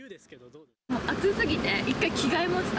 もう暑すぎて、一回着替えました。